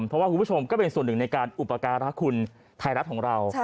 เพราะว่าคุณผู้ชมก็เป็นส่วนหนึ่งในการอุปการะคุณไทยรัฐของเรา